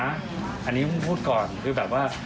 อันนี้เพิ่งพูดก่อนคือแบบว่า